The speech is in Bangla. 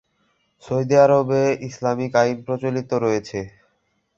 সৌদি আরবে ইসলামিক আইন প্রচলিত রয়েছে।